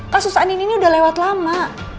kasus andini ini udah lewat lama